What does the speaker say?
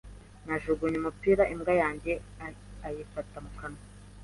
Najugunye umupira imbwa yanjye ayifata mu kanwa.